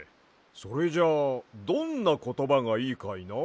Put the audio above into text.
それじゃあどんなことばがいいかいな？